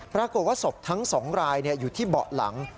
ปรากฏว่าศพทั้ง๒รายอยู่ที่เบาะหลัง